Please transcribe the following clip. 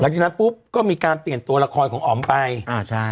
จากนั้นปุ๊บก็มีการเปลี่ยนตัวละครของอ๋อมไปอ่าใช่